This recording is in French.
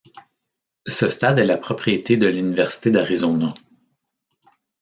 Ce stade est la propriété de l'Université d'Arizona.